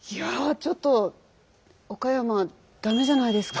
ちょっと岡山駄目じゃないですか。